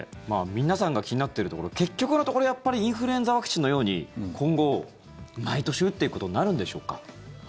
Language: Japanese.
皆さんが気になっているところ結局のところ、やっぱりインフルエンザワクチンのように今後、毎年打っていくことになるんでしょうか。